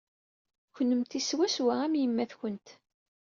Kennemti swaswa am yemma-twent.